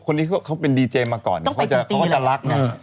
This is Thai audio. คนที่เขาเป็นดีเจมาก่อนเขาจะลัก